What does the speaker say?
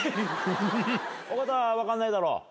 尾形は分かんないだろ？